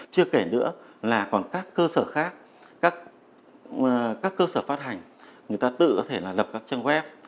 chưa kể nữa là còn các cơ sở khác các cơ sở phát hành người ta tự có thể là lập các trang web